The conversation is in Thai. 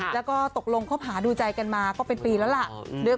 แล้วก็ตกลงคบหาดูใจกันมาก็เป็นปีแล้วล่ะ